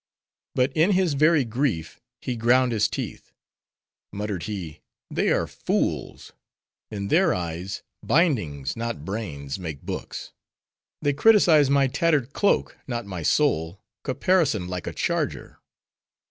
But in his very grief, he ground his teeth. Muttered he, "They are fools. In their eyes, bindings not brains make books. They criticise my tattered cloak, not my soul, caparisoned like a charger.